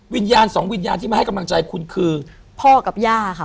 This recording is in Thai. วิญญาณสองวิญญาณที่มาให้กำลังใจคุณคือพ่อกับย่าค่ะ